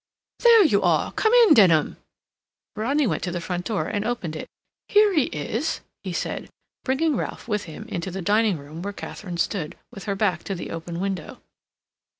"There you are! Come in, Denham." Rodney went to the front door and opened it. "Here he is," he said, bringing Ralph with him into the dining room where Katharine stood, with her back to the open window.